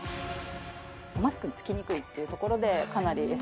マスクに付きにくいっていうところでかなりＳＮＳなどでも